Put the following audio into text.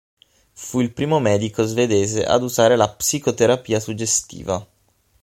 Fu il primo medico svedese ad usare la psicoterapia suggestiva.